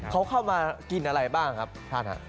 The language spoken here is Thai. เขาเข้ามากินอะไรบ้างครับท่านฮะ